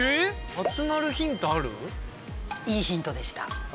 いいヒントでした。